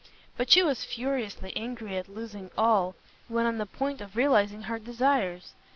But she was furiously angry at losing all, when on the point of realizing her desires.